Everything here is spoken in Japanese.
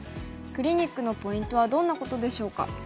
クリニックのポイントはどんなことでしょうか。